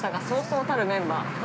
そうそうたるメンバー。